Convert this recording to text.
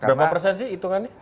berapa persen sih hitungannya